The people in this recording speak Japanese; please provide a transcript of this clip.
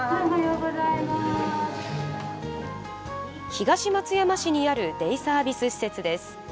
東松山市にあるデイサービス施設です。